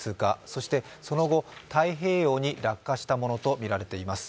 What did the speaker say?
そしてその後太平洋に落下したものとみられています。